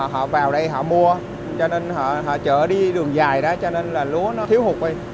họ vào đây họ mua cho nên họ chở đi đường dài đó cho nên là lúa nó thiếu hụt vậy